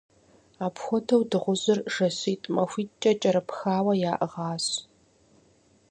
Апхуэдэу дыгъужьыр жэщитӏ-махуитӏкӏэ кӏэрыпхауэ яӏыгъащ.